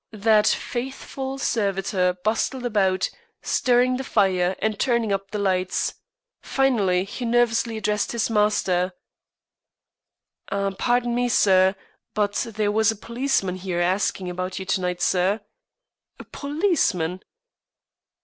That faithful servitor bustled about, stirring the fire and turning up the lights. Finally he nervously addressed his master: "Pardon me, sir, but there was a policeman here asking about you to night, sir." "A policeman!"